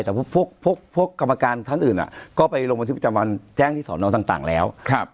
แต่พวกกรรมการท่านอื่นก็ไปลงบันทึกประจำวันแจ้งที่สอนอต่างแล้ว